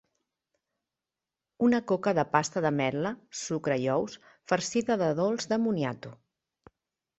Una coca de pasta d’ametla, sucre i ous, farcida de dolç de moniato.